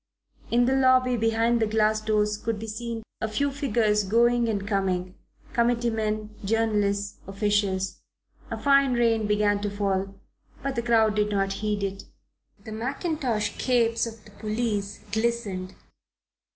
In the lobby behind the glass doors could be seen a few figures going and coming, committee men, journalists, officials. A fine rain began to fall, but the crowd did not heed it. The mackintosh capes of the policemen glistened.